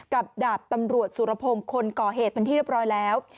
ดาบตำรวจสุรพงศ์คนก่อเหตุเป็นที่เรียบร้อยแล้ว